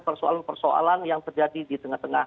persoalan persoalan yang terjadi di tengah tengah